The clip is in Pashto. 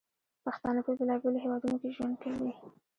پښتانه په بیلابیلو هیوادونو کې ژوند کوي.